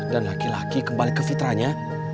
dan laki laki kembali ke fitranya